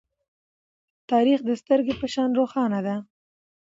تاریخ د سترگې په شان روښانه ده.